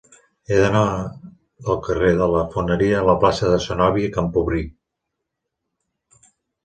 He d'anar del carrer de la Foneria a la plaça de Zenòbia Camprubí.